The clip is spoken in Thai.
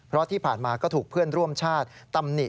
เพราะที่ผ่านมาก็ถูกเพื่อนร่วมชาติตำหนิ